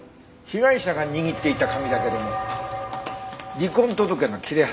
被害者が握っていた紙だけども離婚届の切れ端だったよ。